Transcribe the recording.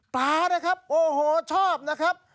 ปลานะครับโอ้โหชอบนะครับ